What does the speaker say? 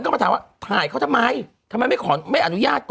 ในการถ่ายรูปว่ะใช่ไม่ได้ไปดูซักนิดมีเสียงเขาไหม